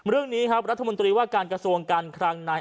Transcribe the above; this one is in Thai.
เรื่องนี้ครับรัฐมนตรีว่าการกระทรวงการคลังใน